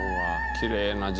きれいな字。